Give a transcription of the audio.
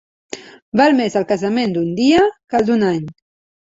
Val més el casament d'un dia que el d'un any.